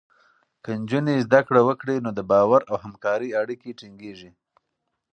که نجونې زده کړه وکړي، نو د باور او همکارۍ اړیکې ټینګېږي.